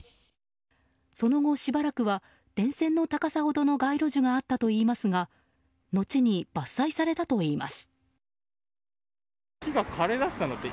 その後、しばらくは電線の高さほどの街路樹があったといいますが後に伐採されたといいます。